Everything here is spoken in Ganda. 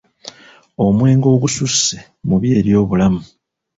Omwenge ogususse mubi eri obulamu.